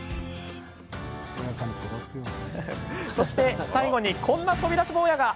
そして、最後にこんな飛び出し坊やが。